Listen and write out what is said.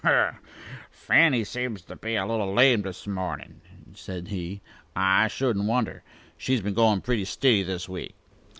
"A hem! a hem! 'Fanny' seems to be a little lame, this mornin'," said he. "I shouldn't wonder. She's been goin' pretty stiddy this week."